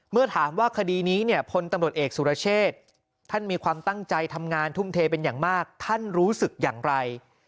เมื่อถามว่าคดีนี้เนี่ยพลตำรวจเอกสุรเชษท่านมีความตั้งใจทำงานทุ่มเทเป็นอย่างมากท่านรู้สึกอย่างไร